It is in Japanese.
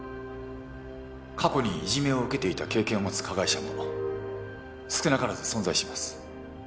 過去にいじめを受けていた経験を持つ加害者も少なからず存在します。